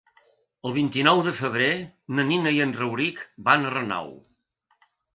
El vint-i-nou de febrer na Nina i en Rauric van a Renau.